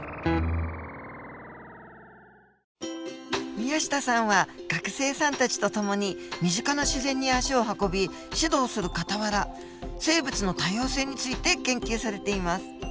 宮下さんは学生さんたちと共に身近な自然に足を運び指導するかたわら生物の多様性について研究されています。